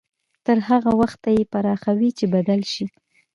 تر هغه وخته يې پراخوي چې بدل شي.